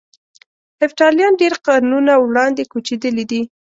هفتالیان ډېر قرنونه وړاندې کوچېدلي دي.